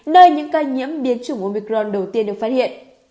nơi những ca nhiễm biến chủng omicron đầu tiên được phát hiện